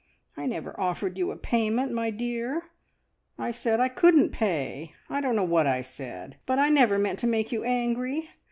I never offered you a payment, my dear; I said I couldn't pay. I don't know what I said, but I never meant to make you angry!